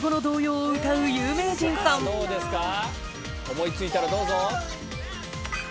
思い付いたらどうぞ。